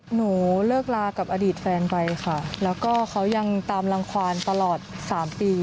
หนูเลิกลากับอดีตแฟนไปค่ะแล้วก็เขายังตามรังความตลอดสามปี